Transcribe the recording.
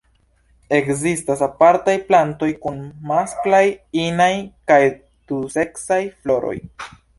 Ekzistas apartaj plantoj kun masklaj, inaj kaj duseksaj floroj.